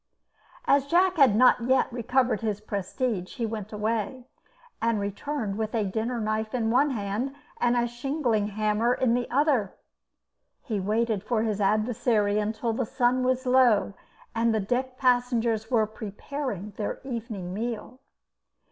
As Jack had not yet recovered his prestige, he went away, and returned with a dinner knife in one hand and a shingling hammer in the other. He waited for his adversary until the sun was low and the deck passengers were preparing their evening meal.